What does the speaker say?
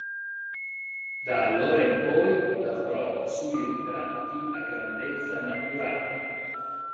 Da allora in poi lavorò sui ritratti a grandezza naturale.